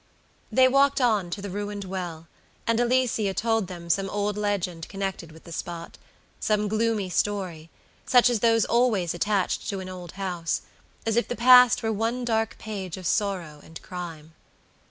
They walked on to the ruined well; and Alicia told them some old legend connected with the spotsome gloomy story, such as those always attached to an old house, as if the past were one dark page of sorrow and crime.